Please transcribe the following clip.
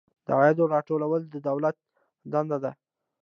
د عوایدو راټولول د دولت دنده ده